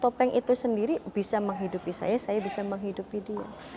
topeng itu sendiri bisa menghidupi saya saya bisa menghidupi dia